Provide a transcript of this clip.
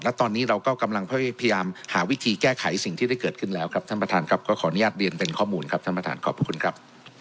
และตอนนี้เราก็กำลังพยายามหาวิธีแก้ไขสิ่งที่ได้เกิดขึ้นแล้วครับท่านประธานครับก็ขออนุญาตเรียนเป็นข้อมูลครับท่านประธานขอบพระคุณครับ